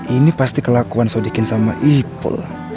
ini pasti kelakuan sodikin sama ipo